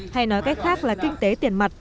hay nói cách khác là kinh tế tiền mặt